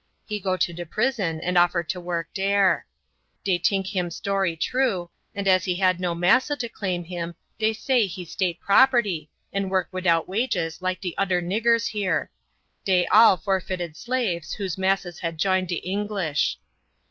He go to de prison and offer to work dere. Dey tink him story true, and as he had no massa to claim him dey say he State property, and work widout wages like de oder niggers here; dey all forfeited slaves whose massas had jined de English.